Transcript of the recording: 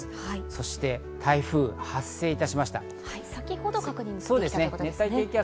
そして台風、発生いたしまし先ほど確認されたんですね。